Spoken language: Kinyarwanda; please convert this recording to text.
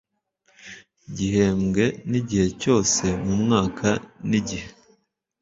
gihembwe n igihe cyose mu mwaka n igihe